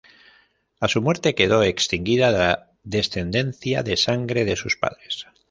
A su muerte quedó extinguida la descendencia de sangre de sus padres.